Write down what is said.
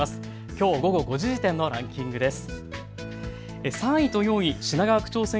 きょう午後５時時点のランキングです。